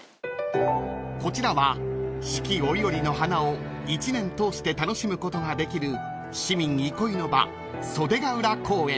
［こちらは四季折々の花を１年とおして楽しむことができる市民憩いの場］